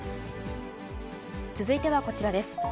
続いてはこちらです。